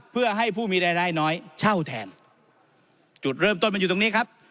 เพื่อให้ผู้มีรายได้น้อยเช่าแทนจุดเริ่มต้นมันอยู่ตรงนี้ครับ